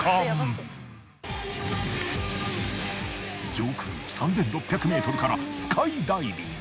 上空３，６００ｍからスカイダイビング。